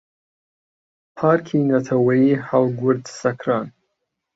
پارکی نەتەوەییی هەڵگورد سەکران